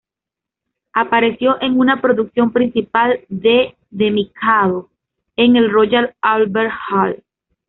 Apareció en una producción principal de "The Mikado" en el Royal Albert Hall.